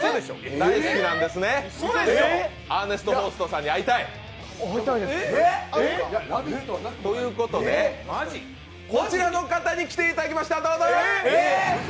アーネスト・ホーストさんに会いたい。ということでこちらの方に来ていただきました、どうぞ。